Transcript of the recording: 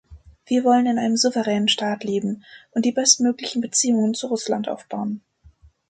Wir wollen in einem souveränen Staat leben und die bestmöglichen Beziehungen zu Russland aufbauen.